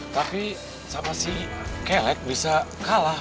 tapi sama si kelek bisa kalah